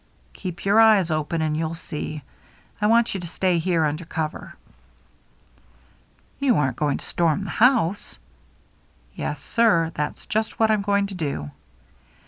" Keep your eyes open and you'll see. I want you to stay here under cover." " You aren't going to storm the house ?" "Yes, sir, that's just what I'm going to do."